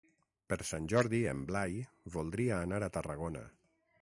Per Sant Jordi en Blai voldria anar a Tarragona.